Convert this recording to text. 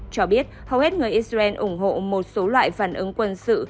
cho biết hầu hết người israel ủng hộ một số loại phản ứng quân sự